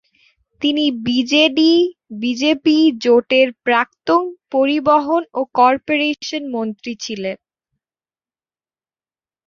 তিনি বিজেডি-বিজেপি জোটের প্রাক্তন পরিবহন ও কর্পোরেশন মন্ত্রী ছিলেন।